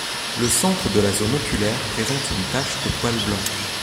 Le centre de la zone oculaire présente une tache de poils blancs.